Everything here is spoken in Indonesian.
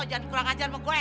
jangan kurang ngajar sama gue